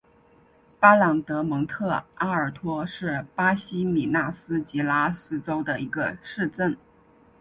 巴朗德蒙特阿尔托是巴西米纳斯吉拉斯州的一个市镇。